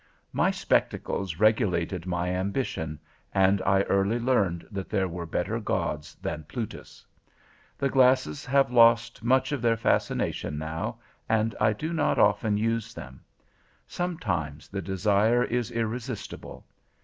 My spectacles regulated my ambition, and I early learned that there were better gods than Plutus. The glasses have lost much of their fascination now, and I do not often use them. Sometimes the desire is irresistible.